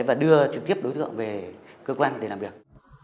và đưa trực tiếp đối tượng về cơ quan để làm việc